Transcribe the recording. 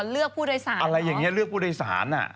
เลือกผู้โดยสารอะไรอย่างนี้เลือกผู้โดยสาร